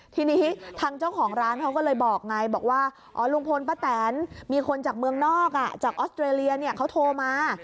ทีนี้ทางเจ้าของร้านเขาก็เลยบอกไงบอกว่าอ๋อลุงพลป้าแตนมีคนจากเมืองนอกจากออสเตรเลียเขาโทรมา